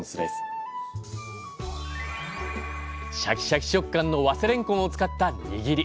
シャキシャキ食感の早生れんこんを使ったにぎり。